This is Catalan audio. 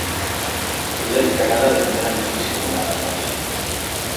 L'hem cagada de manera més dissimulada, vaja.